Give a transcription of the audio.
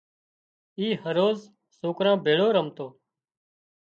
اي هروز سوڪران ڀيۯو رمتو